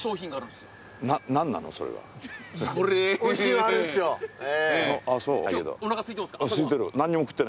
すいてる。